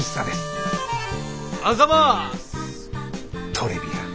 トレビアン。